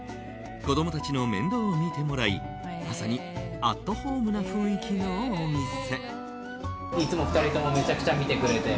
子供たちの面倒を見てもらいまさにアットホームな雰囲気のお店。